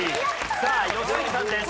さあ吉住さんです。